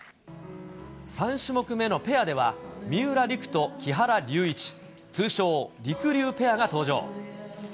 ３種目目のペアでは、三浦璃来と木原龍一、通称、りくりゅうペアが登場。